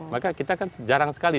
maka kita kan jarang sekali